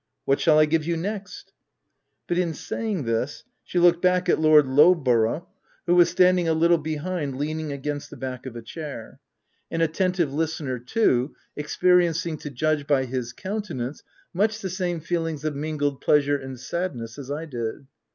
" What shall I give you next ?" But in saying this, she looked back at Lord 348 THE TENANT Lowborough, who was standing a little behind leaning against the back of a chair — an atten tive listener, too, experiencing, to judge by his countenance, much the same feelings of mingled pleasure and sadness as I did.